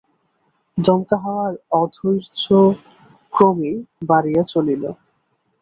দমকা হাওয়ার অধৈর্য ক্রমেই বাড়িয়া চলিল।